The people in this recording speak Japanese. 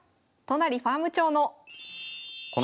都成ファーム長の。